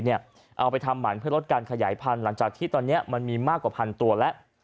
เอาไปทำหมันเพื่อลดการขยายพันธุ์หลังจากที่ตอนนี้มันมีมากกว่าพันตัวแล้ว